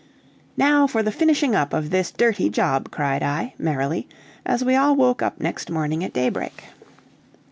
"Now for the finishing up of this dirty job," cried I, merrily, as we all woke up next morning at daybreak.